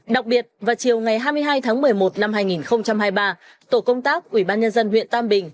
đặc biệt vào chiều ngày hai mươi hai tháng một mươi một năm hai nghìn hai mươi ba tổ công tác ủy ban nhân dân huyện tam bình